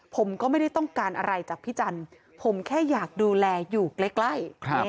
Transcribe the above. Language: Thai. ผมก็ไม่ได้ต้องการอะไรจากพี่จันทร์ผมแค่อยากดูแลอยู่ใกล้